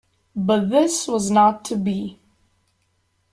But this was not to be.